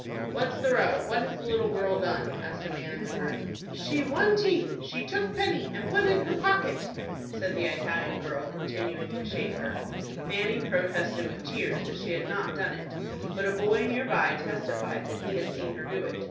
"What's the row? What has the little girl done?" asked a man in the group. "She one tief. She took penny, and put in her pocket," said the Italian girl, continuing to shake her. Fanny protested with tears that she had not done it, but a boy near by testified that he had seen her do it.